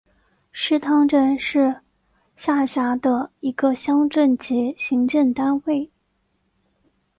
石塘镇是下辖的一个乡镇级行政单位。